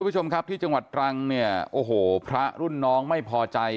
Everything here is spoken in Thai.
ผู้ชมครับที่จังหวัดตรังเนี่ยโอ้โหพระรุ่นน้องไม่พอใจ